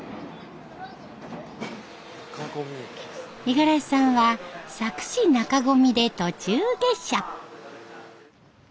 五十嵐さんは佐久市中込で途中下車。